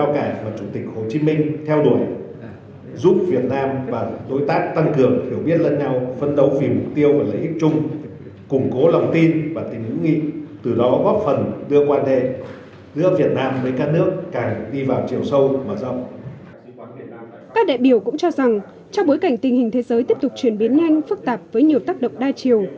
các đại biểu cũng cho rằng trong bối cảnh tình hình thế giới tiếp tục truyền biến nhanh phức tạp với nhiều tác động đa chiều